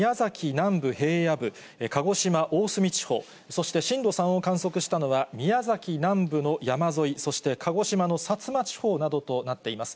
南部平野部、鹿児島・大隅地方、そして震度３を観測したのは、宮崎南部の山沿い、そして鹿児島の薩摩地方などとなっています。